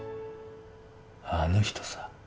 あの人さ